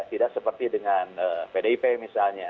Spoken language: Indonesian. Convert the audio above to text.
tidak seperti dengan pdip misalnya